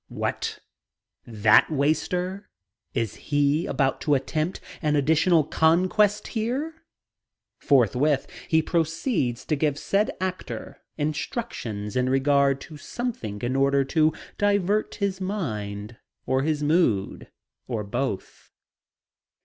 "What! That waster! Is he about to attempt an additional conquest here?" Forthwith he proceeds to give said actor instructions in regard to something in order to divert his mind or his mood or both.